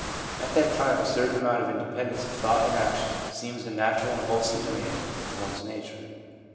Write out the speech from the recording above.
At that time a certain amount of independence of thought and action seems a natural and wholesome demand of one's nature.